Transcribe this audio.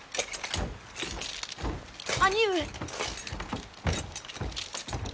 兄上！